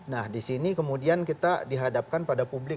nah di sini kemudian kita dihadapkan pada publik